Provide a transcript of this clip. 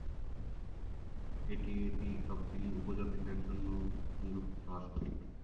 এটি এটি তপসিলী উপজাতিদের জন্য সংরক্ষিত আসন।